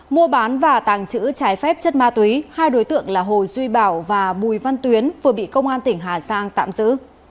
mua bán và tàng trữ trái phép chất ma túy hai đối tượng là hồ duy bảo và bùi văn tuyến vừa bị công an tỉnh hà giang tạm giữ